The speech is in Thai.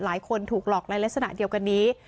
หลายคนถูกหลอกในลักษณะเดียวกันนี้